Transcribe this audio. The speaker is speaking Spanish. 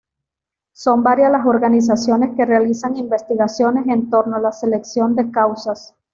Son varias las organizaciones que realizan investigaciones en torno a la selección de causas.